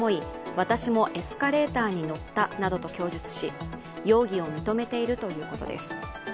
私もエスカレーターに乗ったなどと供述し、容疑を認めているということです。